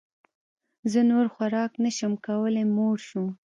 زه نور خوراک نه شم کولی موړ شوم